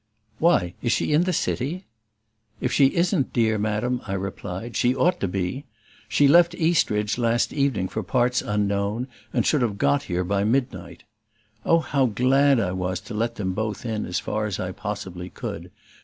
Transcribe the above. "Why, is she in the city?" "If she isn't, dear madam," I replied, "she ought to be. She left Eastridge last evening for parts unknown, and should have got here by midnight." Oh, how glad I was to let them both in as far as I possibly could!